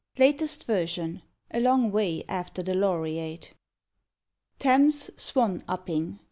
(Latest Version, a long way after the Laureate.) "THAMES 'SWAN UPPING.'